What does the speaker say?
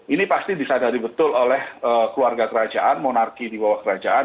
ini pasti disadari betul oleh keluarga kerajaan monarki di bawah kerajaan